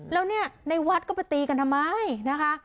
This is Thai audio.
แล้วเนี่ยในวัดก็ไปตีกันทำไมนะคะ